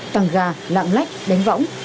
tăng ga lạng lách đánh võng